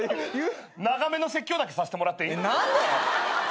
長めの説教だけさせてもらっていい？何で？